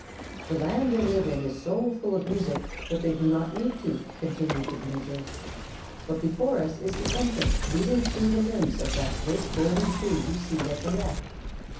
"The land they live in is so full of music that they do not need to," continued the bluejay. "But before us is the entrance, leading through the limbs of that great golden tree you see at the left.